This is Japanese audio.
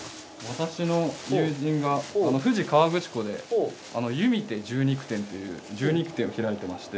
私の友人が富士河口湖でユミテ獣肉店という獣肉店を開いてまして。